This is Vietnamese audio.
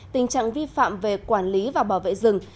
tình trạng vi phạm về quản lý và bảo vệ rừng